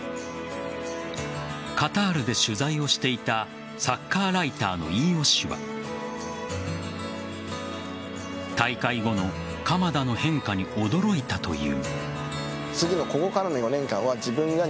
カタールで取材をしていたサッカーライターの飯尾氏は大会後の鎌田の変化に驚いたという。